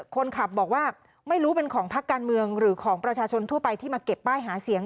คนขับบอกว่าไม่รู้เป็นของพักการเมืองหรือของประชาชนทั่วไปที่มาเก็บป้ายหาเสียง